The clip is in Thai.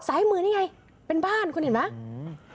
ซ้ายมือนี่ไงเป็นบ้านคุณเห็นไหมอืม